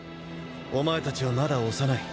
お前たちはまだ幼い。